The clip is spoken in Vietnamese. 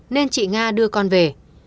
nên chị nga đưa con về